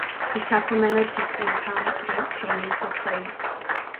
He supplemented his income by painting portraits.